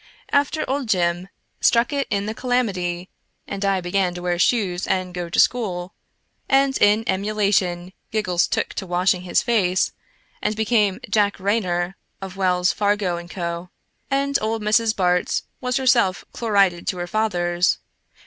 After old Jim struck it in the Calamity, and I began to wear shoes and go to school, and in emulation Giggles took to washing his face, and became Jack Raynor, of Wells, Fargo & Co., and old Mrs. Barts was herself chlorided to her fathers.